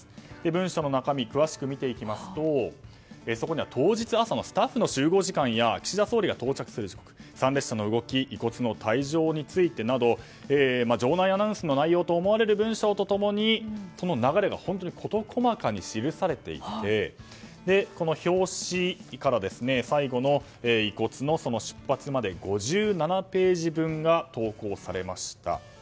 文書の中身を詳しく見ていきますとそこには当日朝のスタッフの集合時間や岸田総理が到着する時間参列者の動き遺骨の退場についてなど場内アナウンスの内容と思われる文章と共にその流れが本当に事細かに記されていてこの表紙から、最後の遺骨の出発までの５７ページ分が投稿されました。